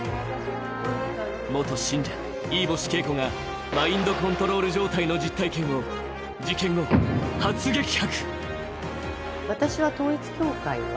元信者、飯星景子がマインドコントロール状態の実体験を、事件後、初告白。